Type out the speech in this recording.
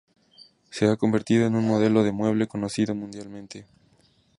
Se ha convertido en un modelo de mueble conocido mundialmente.